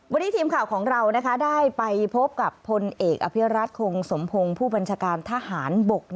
วันนี้ทีมข่าวของเราได้ไปพบกับพลเอกอภิรัตคงสมพงศ์ผู้บัญชาการทหารบก